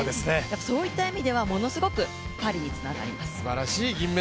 そういった意味ではものすごくパリにつながります。